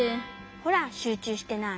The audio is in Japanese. ほらしゅうちゅうしてない。